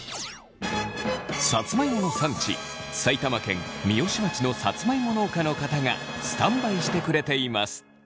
さつまいもの産地埼玉県三芳町のさつまいも農家の方がスタンバイしてくれています。